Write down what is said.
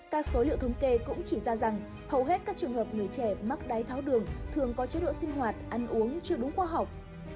các số liệu thống kê cũng chỉ ra rằng hầu hết các trường hợp người trẻ mắc đái tháo đường thường có chế độ sinh hoạt ăn uống chưa đúng khoa học